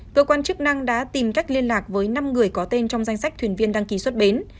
cơ quan chức năng đã tìm cách liên lạc với năm người có tên trong danh sách thuyền viên đăng ký xuất bến